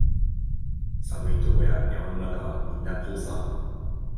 寒いとこや山の中はみんなこうさ